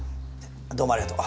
どうもありがとう。